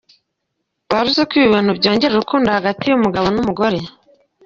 Wari uzi ko ibi bintu byongera urukundo hagati y’umugabo n’umugore .